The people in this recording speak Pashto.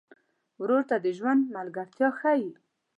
ورور ته د ژوند ملګرتیا ښيي.